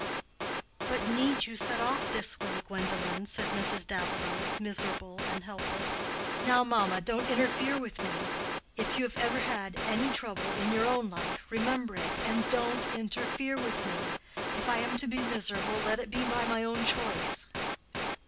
"But need you set off in this way, Gwendolen?" said Mrs. Davilow, miserable and helpless. "Now mamma, don't interfere with me. If you have ever had any trouble in your own life, remember it and don't interfere with me. If I am to be miserable, let it be by my own choice."